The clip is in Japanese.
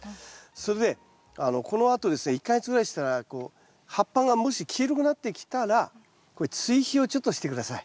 それでこのあとですね１か月ぐらいしたらこう葉っぱがもし黄色くなってきたら追肥をちょっとして下さい。